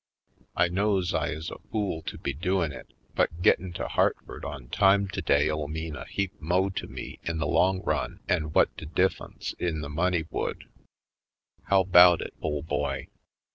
I knows I is a fool to be doin' it, but gittin' to Hartford on time today '11 mean a heap mo' to me in the long run 'en whut de diff'unce in the money would. How 'bout it, ole boy?"